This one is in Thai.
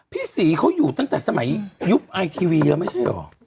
พี่ศรีเขาอยู่ตั้งแต่สมัยยุคไอทีวีแล้วไม่ใช่เหรอ